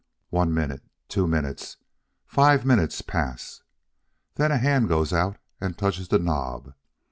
One minute two minutes five minutes pass. Then a hand goes out and touches the knob.